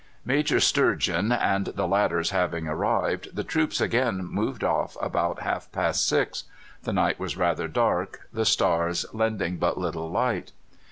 Major Sturgeon and the ladders having arrived, the troops again moved off about half past six. The night was rather dark, the stars lending but little light.